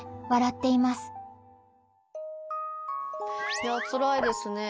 いやつらいですね。